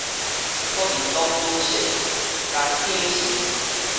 國民黨主席江啟臣